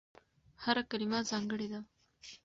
هره کلمه ځانګړې ده.